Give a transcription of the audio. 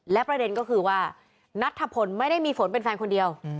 และประเด็นก็คือว่านัทธพลไม่ได้มีฝนเป็นแฟนคนเดียว